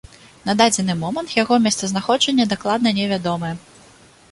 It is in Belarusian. На дадзены момант яго месцазнаходжанне дакладна невядомае.